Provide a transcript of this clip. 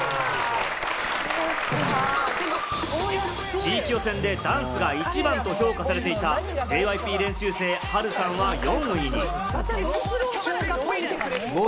地域予選でダンスが１番と評価されていたＪＹＰ練習生・ハルさんは４位に。